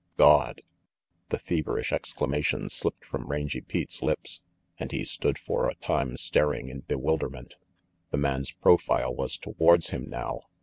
"Gawd!" The feverish exclamation slipped from Rangy Pete's lips, and he stood for a time staring in bewilderment. The man's profile was towards him now.